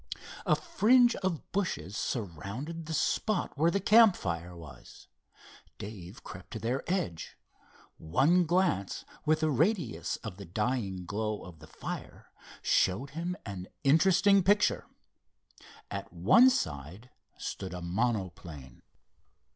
A fringe of bushes surrounded the spot where the campfire was. Dave crept to their edge. One glance with the radius of the dying glow of the fire showed him an interesting picture. At one side stood a monoplane.